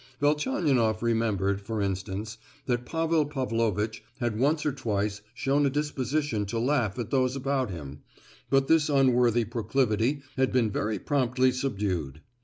Velchaninoff remembered, for instance, that Pavel Pavlovitch had once or twice shown a disposition to laugh at those about him, but this unworthy proclivity had been very promptly subdued.